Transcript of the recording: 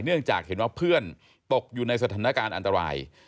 เนื่องจากเห็นว่าเพื่อนตกอยู่ในสถานการณ์อันตราย